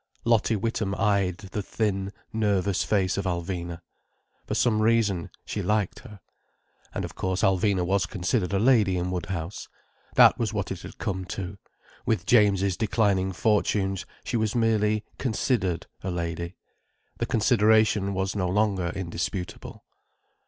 Lottie Witham eyed the thin, nervous face of Alvina. For some reason, she liked her. And of course, Alvina was considered a lady in Woodhouse. That was what it had come to, with James's declining fortunes: she was merely considered a lady. The consideration was no longer indisputable.